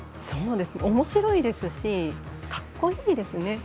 おもしろいですしかっこいいですね。